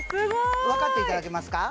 分かっていただけますか？